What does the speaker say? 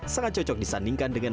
sangat cocok disandingkan dengan